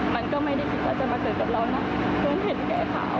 มันก็ไม่ได้คิดว่าจะมาเกิดกับเรานะเพิ่งเห็นแค่ข่าว